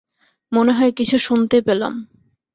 মনে হয় কিছু শুনতে পেলাম।